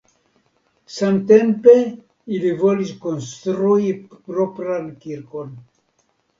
Samtempe ili volis konstrui propran kirkon.